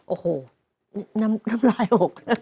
โอ้โหน้ำลายหก